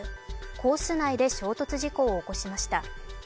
コース内で衝突事故を起こしました。